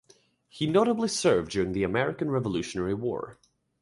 He notably served during the American Revolutionary War.